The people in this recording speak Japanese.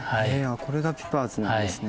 これがピパーズなんですね。